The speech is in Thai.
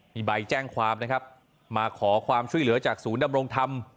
มีใบแจ้งความนะครับมาขอความช่วยเหลือจากศูนย์ดำรงธรรม